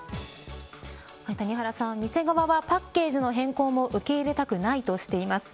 谷原さん、店側はパッケージの変更も受け入れたくないとしています。